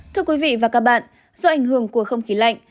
thưa quý vị và các bạn do ảnh hưởng của không khí lạnh